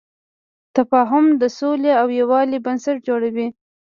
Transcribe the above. تفاهم د سولې او یووالي بنسټ جوړوي.